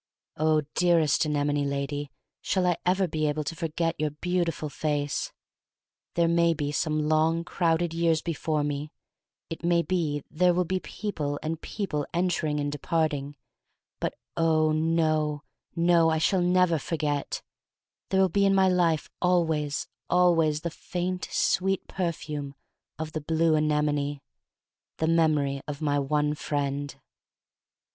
Oh, dearest anemone lady, shall I ever be able to forget your beautiful face! There may be some long, crowded years before me; it may be 179 l8o THE STORY OF MARY MAC LANE there will be people and people enter ing and departing — but, oh, no — no, I shall never forget! There will be in my life always — always the faint sweet perfume of the blue anemone: the memory of my one friend.